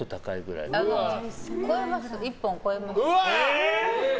一本超えます。